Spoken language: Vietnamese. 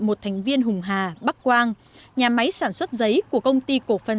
một thành viên hùng hà bắc quang nhà máy sản xuất giấy của công ty cổ phần